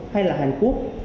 hay là hàn quốc